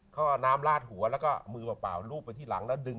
เขาเอาน้ำลาดหัวแล้วก็มือเปล่ารูปไปที่หลังแล้วดึง